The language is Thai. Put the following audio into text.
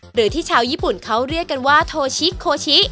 หรือที่ชาวญี่ปุ่นเขาเรียกกันว่าโทชิโคชิ